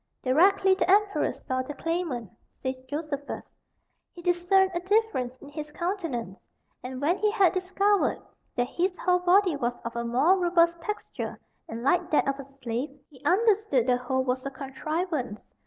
"Directly the emperor saw the claimant," says Josephus, "he discerned a difference in his countenance; and when he had discovered that his whole body was of a more robust texture and like that of a slave, he understood the whole was a contrivance."